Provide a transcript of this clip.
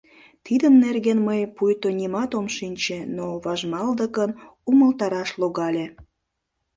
Тидын нерген мый пуйто нимат ом шинче, но важмалдыкын умылтараш логале.